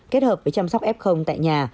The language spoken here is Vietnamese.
kết hợp với chăm sóc f tại nhà